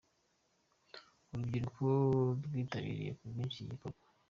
Urubyiruko rwitabiriye ku bwinshi iki gikorwa.